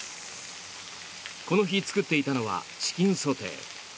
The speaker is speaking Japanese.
この日、作っていたのはチキンソテー。